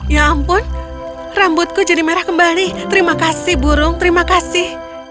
ya ampun rambutku jadi merah kembali terima kasih burung terima kasih